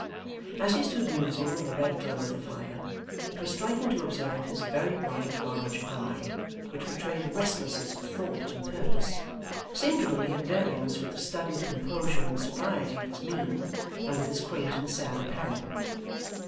As he stood musing in the red glow of the fire, it was striking to observe his very bright large eye, which betrayed a restlessness of thought and purpose, singularly at variance with the studied composure and sobriety of his mien, and with his quaint and sad apparel.